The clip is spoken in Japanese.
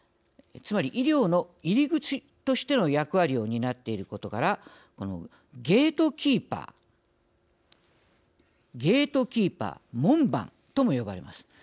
つまり医療の入り口としての役割を担っていることからゲートキーパー門番とも呼ばれます。